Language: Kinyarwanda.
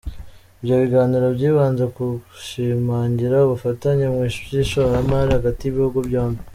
Ibyo biganiro byibanze ku gushimangira ubufatanye mu by’ishoramari hagati y’ibihugu byombi.